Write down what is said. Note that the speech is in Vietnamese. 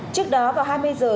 trước đó vào hai mươi giờ